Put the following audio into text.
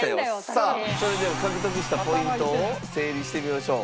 さあそれでは獲得したポイントを整理してみましょう。